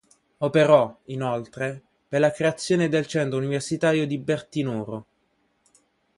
Operò, inoltre, per la creazione del Centro Universitario di Bertinoro.